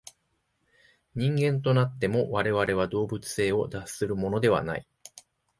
人間となっても、我々は動物性を脱するのではない。